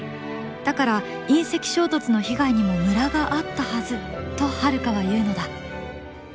だから隕石衝突の被害にもムラがあったはず」とハルカは言うのだ。